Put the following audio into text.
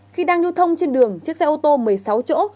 khi đang lưu thông trên đường chiếc xe ô tô một mươi sáu chỗ